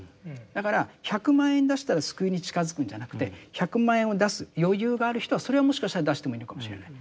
だから１００万円出したら救いに近づくんじゃなくて１００万円を出す余裕がある人はそれはもしかしたら出してもいいのかもしれない。